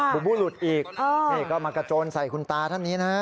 บุบูหลุดอีกนี่ก็มากระโจนใส่คุณตาท่านนี้นะฮะ